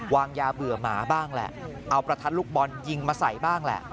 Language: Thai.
วางยาเบื่อหมาบ้างแหละเอาประทัดลูกบอลยิงมาใส่บ้างแหละ